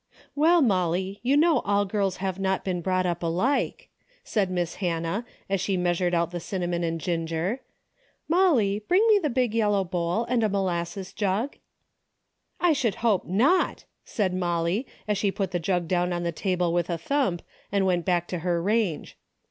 "Well, Molly, you know all girls have not been brought up alike," said Miss Hannah, as she measured out the cinnamon and ginger. "Molly, bring me the big yellow bowl and the molasses jug." " I should hope not," said Molly, as she put the jug down on the table with a thump, and went back to her range.